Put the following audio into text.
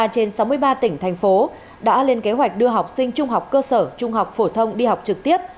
ba mươi trên sáu mươi ba tỉnh thành phố đã lên kế hoạch đưa học sinh trung học cơ sở trung học phổ thông đi học trực tiếp